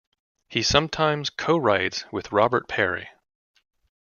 He sometimes co-writes with Robert Perry.